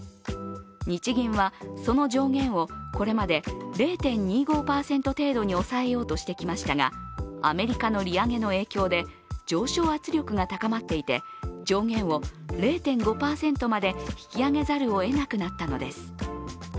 日銀はその上限をこれまで０．２５％程度に抑えようとしてきましたがアメリカの利上げの影響で上昇圧力が高まっていて、上限を０．５％まで引き上げざるを得なくなったのです。